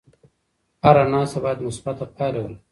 هره ناسته باید مثبته پایله ولري.